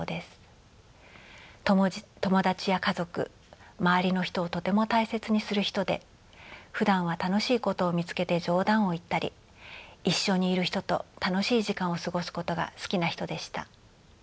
友達や家族周りの人をとても大切にする人でふだんは楽しいことを見つけて冗談を言ったり一緒にいる人と楽しい時間を過ごすことが好きな人でした。